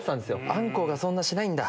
アンコウがそんなしないんだ。